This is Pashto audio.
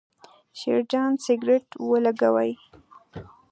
شیرجان سګرېټ ولګاوې.